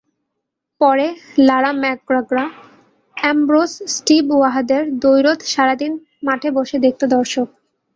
পরে লারা-ম্যাকগ্রা, অ্যামব্রোস-স্টিভ ওয়াহদের দ্বৈরথ সারা দিন মাঠে বসে দেখত দর্শক।